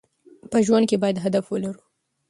په ژوند کې باید هدف ولرو.